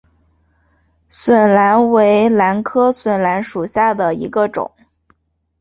笋兰为兰科笋兰属下的一个种。